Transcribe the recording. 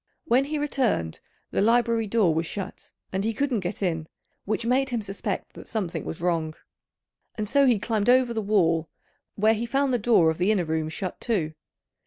When he returned, the library door was shut, and he couldn't get in, which made him suspect that something was wrong; and so he climbed over the wall, where he found the door of the inner room shut too.